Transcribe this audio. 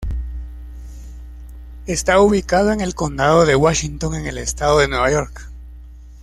Está ubicado en el condado de Washington, en el estado de Nueva York.